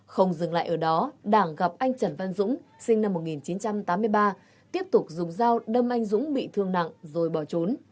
không dừng lại ở đó đảng gặp anh trần văn dũng sinh năm một nghìn chín trăm tám mươi ba tiếp tục dùng dao đâm anh dũng bị thương nặng rồi bỏ trốn